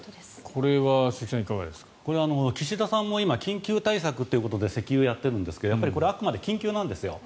これは岸田さんも緊急対策ということで石油をやっていますがこれはあくまで緊急なんですよ。